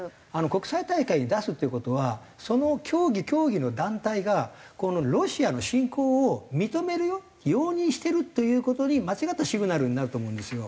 国際大会に出すっていう事はその競技競技の団体が「ロシアの侵攻を認めるよ」。容認してるという事に間違ったシグナルになると思うんですよ。